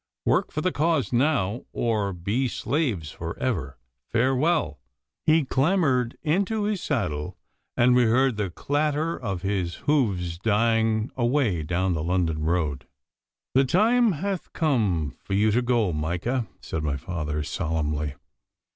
Work for the cause now, or be slaves for ever. Farewell!' He clambered into his saddle, and we heard the clatter of his hoofs dying away down the London road. 'The time hath come for you to go, Micah,' said my father solemnly.